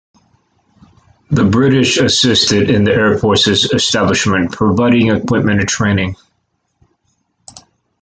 The British assisted in the Air Force's establishment, providing equipment and training.